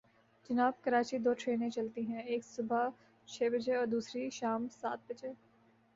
جناب، کراچی دو ٹرینیں چلتی ہیں، ایک صبح چھ بجے اور دوسری شام سات بجے۔